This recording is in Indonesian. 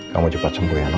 kamu cepat sembuh ya no